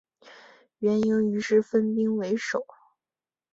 元英于是分兵围守。